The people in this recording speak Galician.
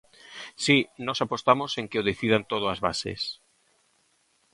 Si, nós apostamos en que o decidan todo as bases.